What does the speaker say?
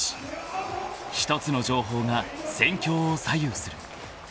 ［１つの情報が戦況を左右する］